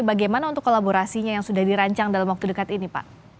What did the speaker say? bagaimana untuk kolaborasinya yang sudah dirancang dalam waktu dekat ini pak